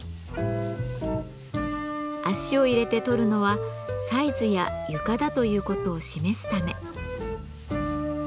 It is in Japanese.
足を入れて撮るのはサイズや床だという事を示すため。